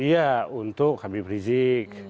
iya untuk kami prizik